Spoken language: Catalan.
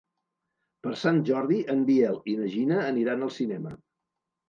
Per Sant Jordi en Biel i na Gina aniran al cinema.